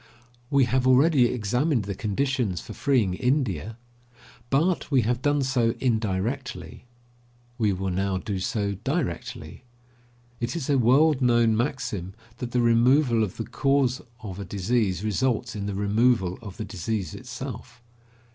We have already examined the conditions for freeing India, but we have done so indirectly; we will now do so directly. It is a world known maxim that the removal of the cause of a disease results in the removal of the disease itself.